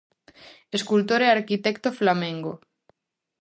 Escultor e arquitecto flamengo.